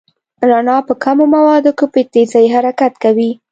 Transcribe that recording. رڼا په کمو موادو کې په تېزۍ حرکت کوي.